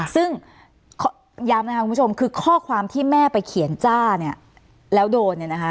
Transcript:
ซึ่งย้ำนะคะคุณผู้ชมคือข้อความที่แม่ไปเขียนจ้าเนี่ยแล้วโดนเนี่ยนะคะ